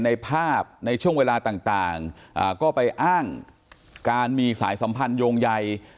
ในภาพในช่วงเวลาต่างก็ไปอ้างการมีสายสัมพันธ์โยงใย